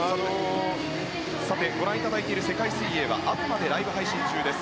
ご覧いただいている世界水泳はＡＢＥＭＡでライブ配信中です。